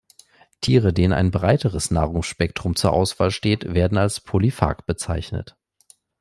Tiere, denen ein breiteres Nahrungsspektrum zur Auswahl steht, werden als polyphag bezeichnet.